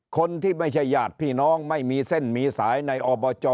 คนที่ไม่ใช่ญาติพี่น้องไม่มีเส้นมีสายในอบจ